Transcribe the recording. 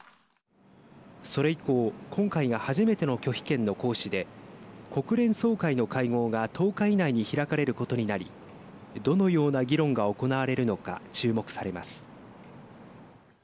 それ以降、今回が初めての拒否権の行使で国連総会の会合が、１０日以内に開かれることになりどのような議論が行われるのか注目されます。